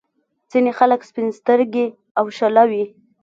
ځينې خلک سپين سترګي او شله وي.